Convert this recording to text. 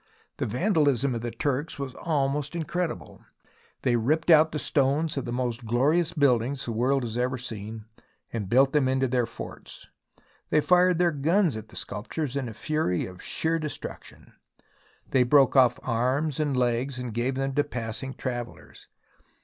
The vandalism of the Turks was almost incredible. They ripped out the stones of the most glorious building the world has ever seen and built thein into their forts ; they fired their guns at the sculptures in a fury of sheer destruction. They broke off arms and legs and gave them to passing travellers.